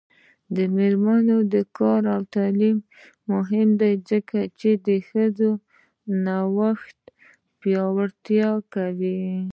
د میرمنو کار او تعلیم مهم دی ځکه چې ښځو نوښت پیاوړتیا کوي.